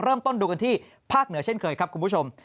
เริ่มต้นดูกันที่ภาคเหนือเช่นเคยครับคุณผู้ชม